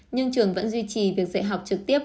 nhưng trường vẫn duy trì việc dạy học trực tiếp